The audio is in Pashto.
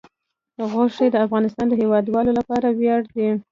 غوښې د افغانستان د هیوادوالو لپاره ویاړ دی.